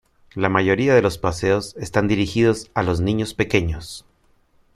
La mayoría de los paseos están dirigidos a los niños pequeños.